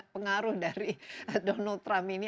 pengaruh dari donald trump ini